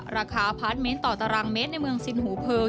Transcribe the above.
ราคาพันเมตรต่อตารางเมตรในเมืองสินหูเพิล